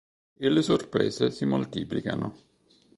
E le sorprese si moltiplicano.